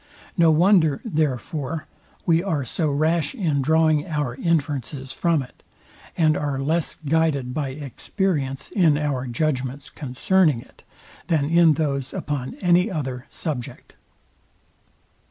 No wonder, therefore, we are so rash in drawing our inferences from it, and are less guided by experience in our judgments concerning it, than in those upon any other subject.